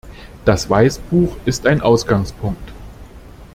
Das Weißbuch ist ein Ausgangspunkt.